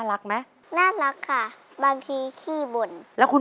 ตัวเลือกที่สอง๘คน